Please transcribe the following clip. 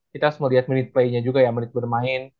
kita semua lihat minute play nya juga ya menit bermain